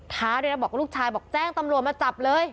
ถ้าเลยบอกลูกชายแจ้งตำรวจมาจับเลย